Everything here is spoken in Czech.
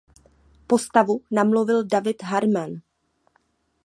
Postavu namluvil David Herman.